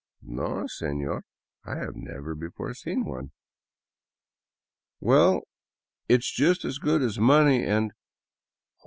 No, seiior, I have never before seen one." " Well, it is just as good as money and.